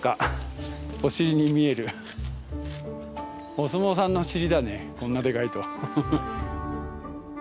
お相撲さんの尻だねこんなでかいと。